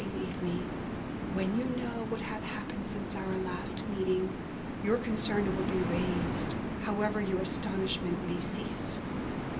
believe me, when you know what hath happened since our last meeting, your concern will be raised, however your astonishment may cease.